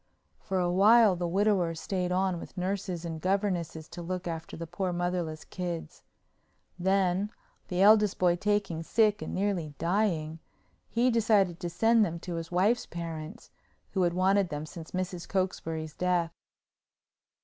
For a while the widower stayed on with nurses and governesses to look after the poor motherless kids. Then, the eldest boy taking sick and nearly dying, he decided to send them to his wife's parents, who had wanted them since Mrs. Cokesbury's death.